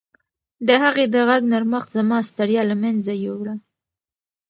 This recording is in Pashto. د هغې د غږ نرمښت زما ستړیا له منځه یووړه.